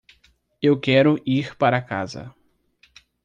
Eu quero ir para casa